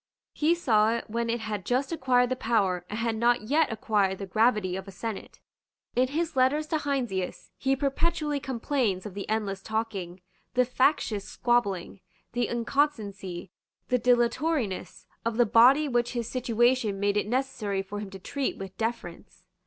He saw it when it had just acquired the power and had not yet acquired the gravity of a senate. In his letters to Heinsius he perpetually complains of the endless talking, the factious squabbling, the inconstancy, the dilatoriness, of the body which his situation made it necessary for him to treat with deference.